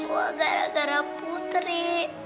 isi mua gara gara putri